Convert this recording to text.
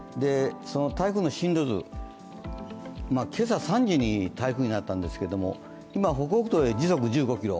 台風の進路図、今朝３時に台風になったんですけれども今、北北東へ時速１５キロ。